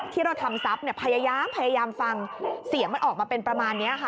ที่เราทำทรัพย์เนี่ยพยายามพยายามฟังเสียงมันออกมาเป็นประมาณนี้ค่ะ